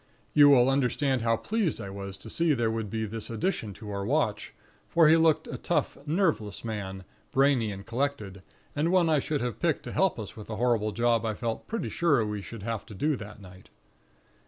You will understand how pleased I was to see there would be this addition to our watch; for he looked a tough, nerveless man, brainy and collected; and one I should have picked to help us with the horrible job I felt pretty sure we should have to do that night.